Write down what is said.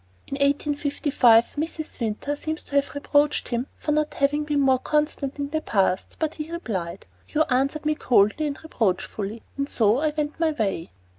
In 1855, Mrs. Winter seems to have reproached him for not having been more constant in the past; but he replied: You answered me coldly and reproachfully, and so I went my way.